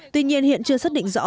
tuy nhiên hiện chưa xác định rõ